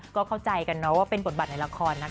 ก็เข้าใจกันนะว่าเป็นบทบาทในละครนะคะ